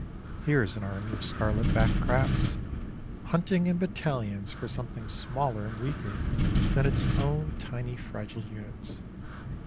Here is an army of scarlet backed crabs, hunting in battalions for something smaller and weaker than its own tiny, fragile units.